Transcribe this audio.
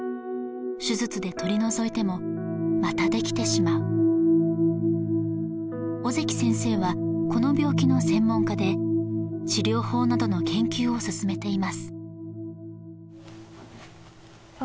手術で取り除いてもまたできてしまう小関先生はこの病気の専門家で治療法などの研究を進めています